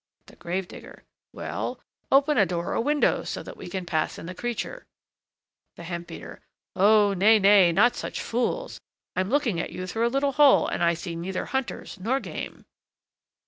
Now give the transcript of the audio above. THE GRAVE DIGGER. Well, open a door or a window, so that we can pass in the creature. THE HEMP BEATER. Oh! nay, nay! not such fools! I'm looking at you through a little hole, and I see neither hunters nor game.